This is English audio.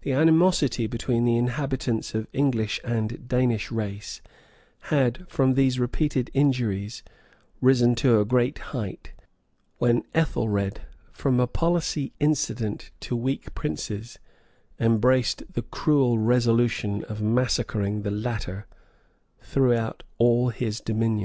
The animosity between the inhabitants of English and Danish race, had, from these repeated injuries, risen to a great height, when Ethelred, from a policy incident to weak princes embraced the cruel resolution of massacring the latter throughout all his dominions.